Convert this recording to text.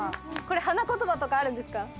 これ花言葉とかあるんですか？